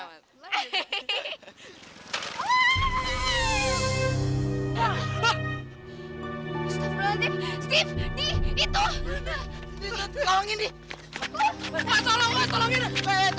aduh di situ di situ